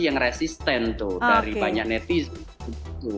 yang resisten dari banyak netizen